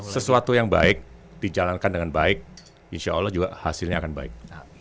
sesuatu yang baik dijalankan dengan baik insya allah juga hasilnya akan baik